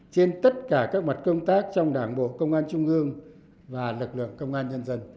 trên tất cả các mặt công tác trong đảng bộ công an trung ương và lực lượng công an nhân dân